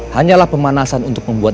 hanyalah pemanasan untuk membuat